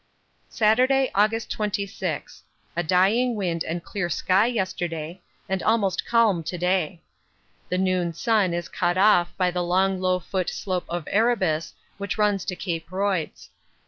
Saturday, August 26. A dying wind and clear sky yesterday, and almost calm to day. The noon sun is cut off by the long low foot slope of Erebus which runs to Cape Royds.